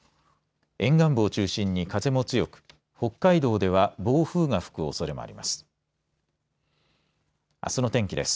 沿岸部を中心に風も強く北海道では暴風が吹くおそれもあります。